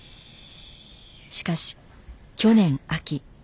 しかし去年秋。